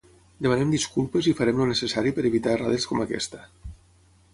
Demanem disculpes i farem el necessari per evitar errades com aquesta.